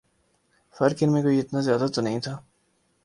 فرق ان میں کوئی اتنا زیادہ تو نہیں تھا